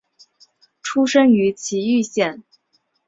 出身于崎玉县。